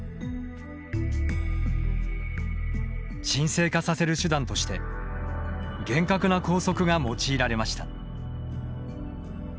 沈静化させる手段として厳格な校則が用いられました。